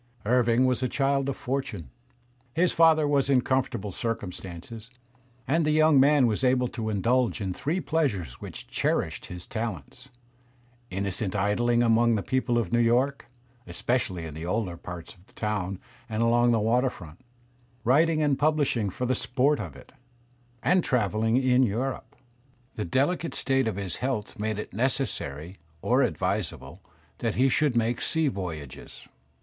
Irving was a child of fortune. His father was in comfort able circumstances, and the young man was able to indulge in three pleasures which cherished his talents: innocent idling among the people of New York, especially in the older parts of the town and along the water front; writing and publishing for the sport of it; and travelling in Europe. The delicate state of his health made it necessary, or advisable, that he should make sea voyages.